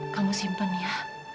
kamu simpen ya